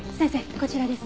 こちらです。